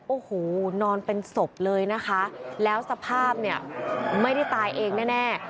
โอ้โหนอนเป็นศพเลยนะคะแล้วสภาพเนี่ยไม่ได้ตายเองแน่